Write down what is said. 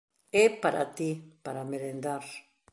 É para ti, para merendar.